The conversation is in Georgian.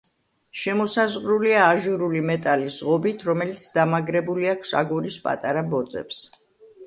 შემოსაზღვრულია აჟურული მეტალის ღობით, რომელიც დამაგრებული აქვს აგურის პატარა ბოძებს.